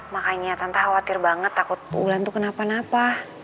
makanya tante khawatir banget takut ulan tuh kenapa napa